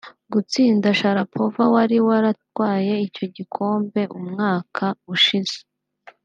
Gutsinda Sharapova wari waratwaye icyo gikombe umwaka ushize